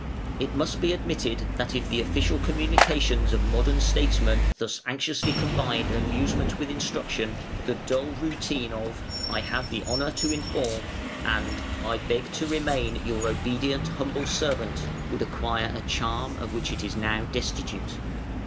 It must be admitted that if the official communications of modern statesmen thus anxiously combined amusement with instruction, the dull routine of "I have the honour to inform" and "I beg to remain your obedient humble servant", would acquire a charm of which it is now destitute.